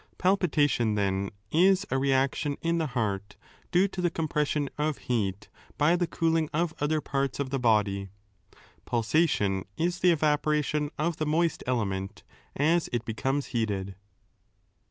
Palpitation, then, is a re action in the heart due to the compression of heat by the cooling of other parts of the body ; pulsation is the evaporation of the moist element as it becomes heated.